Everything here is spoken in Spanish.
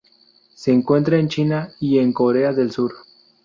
Se encuentra en China y en Corea del Sur.